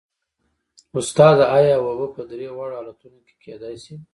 استاده ایا اوبه په درې واړو حالتونو کې کیدای شي